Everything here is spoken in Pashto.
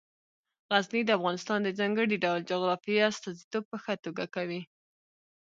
غزني د افغانستان د ځانګړي ډول جغرافیې استازیتوب په ښه توګه کوي.